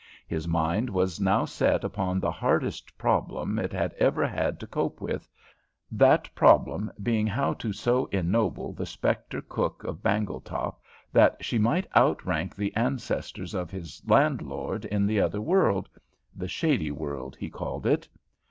His mind was now set upon the hardest problem it had ever had to cope with, that problem being how to so ennoble the spectre cook of Bangletop that she might outrank the ancestors of his landlord in the other world the shady world, he called it.